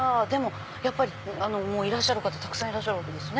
やっぱりいらっしゃる方たくさんいらっしゃるんですね。